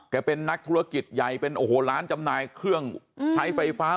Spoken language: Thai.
เป็นนักธุรกิจใหญ่เป็นโอ้โหร้านจำหน่ายเครื่องใช้ไฟฟ้า